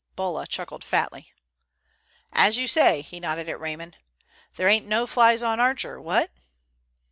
Bulla chuckled fatly. "As you say," he nodded at Raymond, "there ain't no flies on Archer, what?"